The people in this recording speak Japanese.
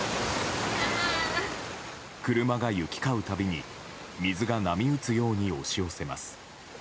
車が行き交うたびに水が波打つように押し寄せます。